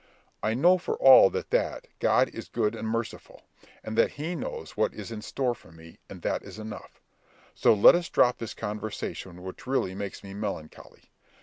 I know for all that that God is good and merciful, and that he knows what is in store for me, and that is enough; so let us drop this conversation which really makes me melancholy.